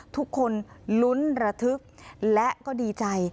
ทุกคนลุ้นระทึกและก็ดีใจ